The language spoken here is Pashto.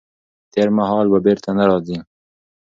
تېر مهال به بیرته نه راځي.